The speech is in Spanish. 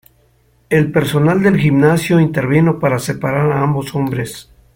El personal del gimnasio intervino para separar a ambos hombres.